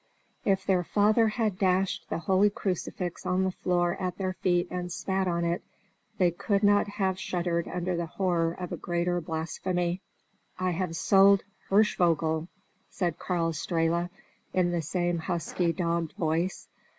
If their father had dashed the holy crucifix on the floor at their feet and spat on it, they could not have shuddered under the horror of a greater blasphemy. "I have sold Hirschvogel!" said Karl Strehla, in the same husky, dogged voice.